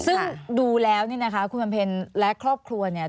ซึ่งดูแล้วเนี่ยนะคะคุณบำเพ็ญและครอบครัวเนี่ย